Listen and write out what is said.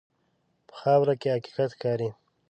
په خاوره کې حقیقت ښکاري.